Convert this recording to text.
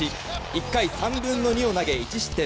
１回３分の２を投げ１失点。